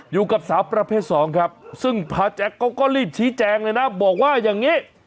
อยู่กับสาวประเภทสองครับซึ่งพระแจ็คเขาก็รีบชี้แจงเลยนะบอกว่าอย่างนี้